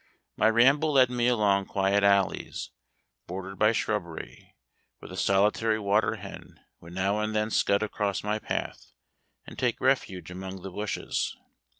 My ramble led me along quiet alleys, bordered by shrubbery, where the solitary water hen would now and then scud across my path, and take refuge among the bushes.